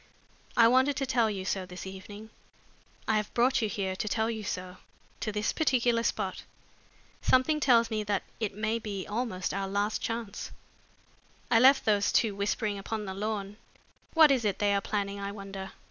I wanted to tell you so this evening. I have brought you here to tell you so to this particular spot. Something tells me that it may be almost our last chance. I left those two whispering upon the lawn. What is it they are planning, I wonder?